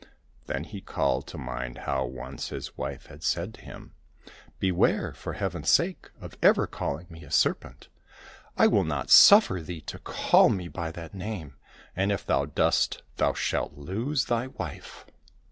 Then he called to mind how, once, his wife had said to him, " Beware, for Heaven's sake, of ever calling me a serpent. I will not suffer thee to call me by that name, and if thou dost thou shalt lose thy wife."